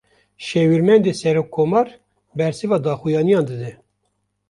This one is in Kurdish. Şêwirmendê serokkomar, bersiva daxuyaniyan dide